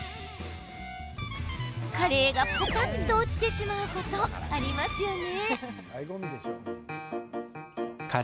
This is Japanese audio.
カレーがぽたっと落ちてしまうことありますよね。